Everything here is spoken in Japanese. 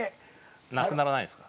なくならないですか？